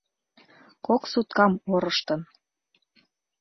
Кок суткам орыштын.